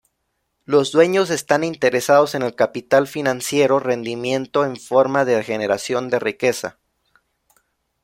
Los dueños están interesados en el capital financiero—rendimiento en forma de generación de riqueza.